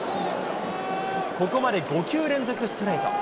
ここまで５球連続ストレート。